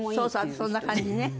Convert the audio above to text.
そんな感じね。